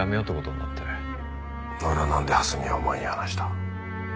ならなんで蓮見はお前に話した？